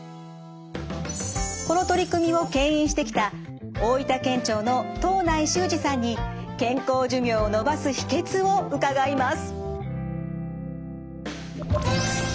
この取り組みをけん引してきた大分県庁の藤内修二さんに健康寿命を延ばす秘けつを伺います。